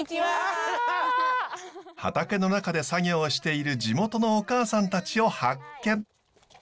畑の中で作業をしている地元のお母さんたちを発見。